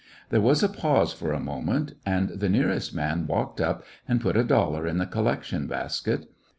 There was a pause for a moment, and the nearest man walked up and put a dollar in the collection basket.